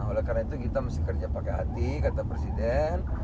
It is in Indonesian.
oleh karena itu kita mesti kerja pakai hati kata presiden